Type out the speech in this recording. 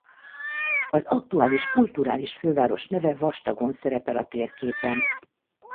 Az aktuális kulturális főváros neve vastagon szerepel a térképen.